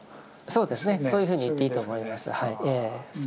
そういうふうに言っていいと思います。